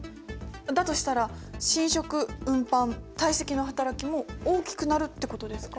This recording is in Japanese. だとしたら侵食運搬堆積のはたらきも大きくなるってことですか？